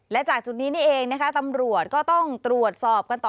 และจากจุดนี้นี่เองนะคะตำรวจก็ต้องตรวจสอบกันต่อ